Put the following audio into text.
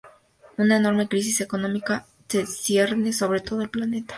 Una enorme crisis económica se cierne sobre todo el planeta.